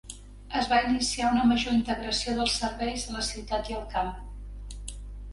Es va iniciar una major integració dels serveis de la ciutat i el camp.